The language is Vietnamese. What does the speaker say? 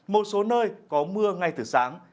một số nơi có mưa ngay từ sáng